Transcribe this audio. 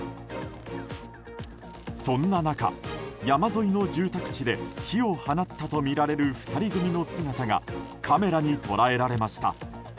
そんな中、山沿いの住宅地で火を放ったとみられる２人組の姿がカメラに捉えられました。